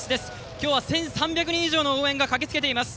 今日は１３００人以上の応援が駆けつけています。